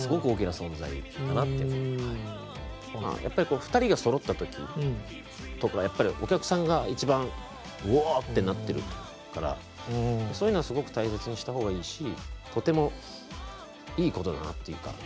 ２人がそろった時お客さんが一番うおぉってなってるからそういうのはすごく大切にした方がいいしとてもいいことだなっていうか